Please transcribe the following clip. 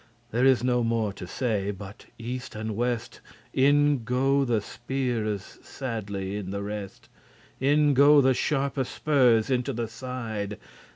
There is no more to say, but east and west In go the speares sadly* in the rest; *steadily In go the sharpe spurs into the side.